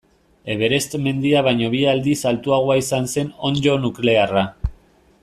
Everest mendia baino bi aldiz altuagoa izan zen onddo nuklearra.